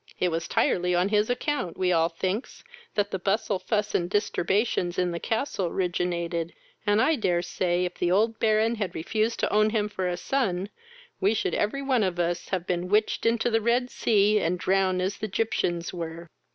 It was tirely on his account, we all thinks, that the bustle, fuss, and disturbations in the castle riginated, and I dare say if the old Baron had refused to own him for a son, we should every one of us have been witched into the Red Sea, and drowned as the Gyptens were.